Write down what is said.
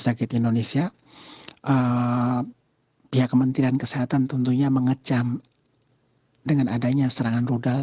sakit indonesia pihak kementerian kesehatan tentunya mengecam dengan adanya serangan rudal